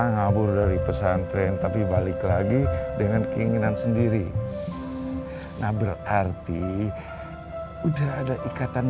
ngabur dari pesantren tapi balik lagi dengan keinginan sendiri nah berarti udah ada ikatan